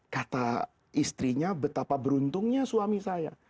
kata istrinya betapa beruntungnya suami saya